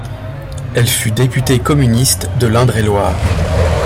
Elle fut députée communiste de l'Indre-et-Loire.